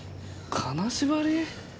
金縛り？